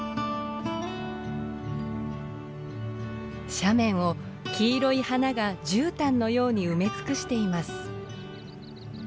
斜面を黄色い花がじゅうたんのように埋め尽くしています。